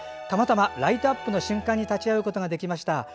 たまたまライトアップの瞬間に立ち会うことができました。